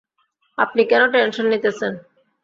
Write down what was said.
আপনি কেন টেনশন নিতেছেন?